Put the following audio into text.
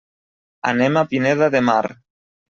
Anem a Pineda de Mar.